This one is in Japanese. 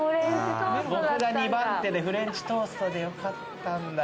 僕が２番手でフレンチトーストでよかったんだ。